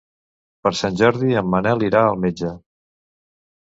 Per Sant Jordi en Manel irà al metge.